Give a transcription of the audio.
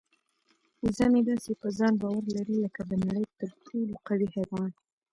وزه مې داسې په ځان باور لري لکه د نړۍ تر ټولو قوي حیوان.